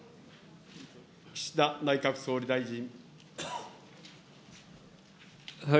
岸田内閣総理大臣。